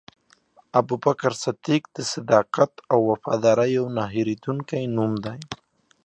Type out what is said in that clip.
ابوبکر صدیق د صداقت او وفادارۍ یو نه هېرېدونکی نوم دی.